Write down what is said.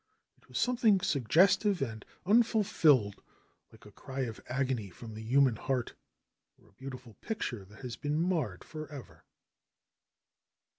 It was something sug gestive and unfulfilled, like a cry of agony from the human heart or a beautiful picture that has been marred forever.